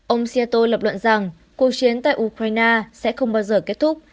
ông seato lập luận rằng cuộc chiến tại ukraine sẽ không bao giờ kết thúc